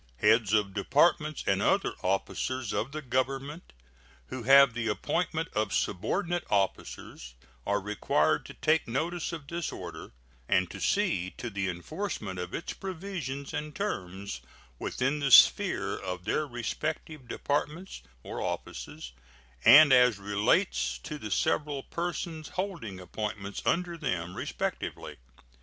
Heads of Departments and other officers of the Government who have the appointment of subordinate officers are required to take notice of this order, and to see to the enforcement of its provisions and terms within the sphere of their respective Departments or offices and as relates to the several persons holding appointments under them, respectively.